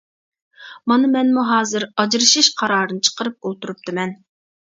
مانا مەنمۇ ھازىر ئاجرىشىش قارارىنى چىقىرىپ ئولتۇرۇپتىمەن.